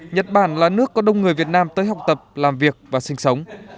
nhật bản là nước có đông người việt nam tới học tập làm việc và sinh sống